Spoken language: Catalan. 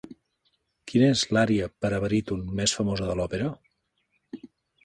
Quina és l'ària per a baríton més famosa de l'òpera?